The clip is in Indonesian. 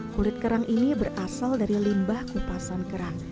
kulit kerang ini berasal dari limbah kupasan kerang